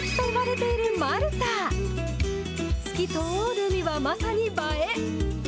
透き通る海はまさに映え。